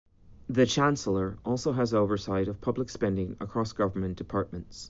The Chancellor also has oversight of public spending across Government departments.